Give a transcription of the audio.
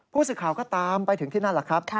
ผู้สื่อข่าวก็ตามไปถึงที่นั่นแหละครับ